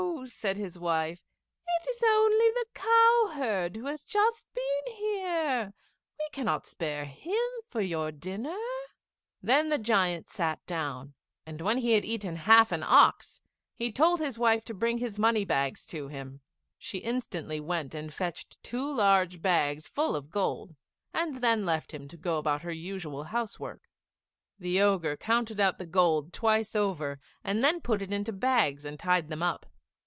said his wife, "it is only the cowherd, who has just been here. We cannot spare him for your dinner." [Illustration: JACK TAKES THE GIANT'S MONEY BAGS.] Then the giant sat down, and when he had eaten half an ox, he told his wife to bring his money bags to him. She instantly went and fetched two large bags full of gold; and then left him to go about her usual house work. The Ogre counted out the gold twice over, and then put it into the bags and tied them up.